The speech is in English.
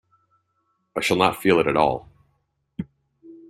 I shall not feel it at all.